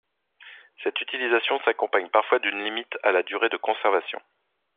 Cette utilisation s'accompagne parfois d'une limite à la durée de conservation.